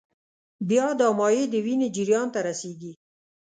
بیا دا مایع د وینې جریان ته رسېږي.